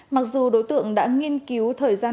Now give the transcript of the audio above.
mặc dù đối tượng đã nghiên cứu thời gian